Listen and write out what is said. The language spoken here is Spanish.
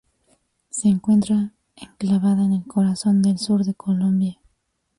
Se encuentra enclavada en el corazón del sur de Colombia.